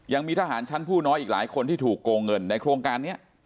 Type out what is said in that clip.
ยังมีทหารชั้นผู้น้อยอีกหลายคนที่ถูกโกงเงินในโครงการนี้